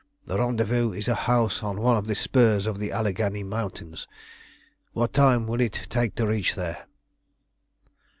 The rendezvous is a house on one of the spurs of the Alleghany Mountains. What time will it take to reach there?"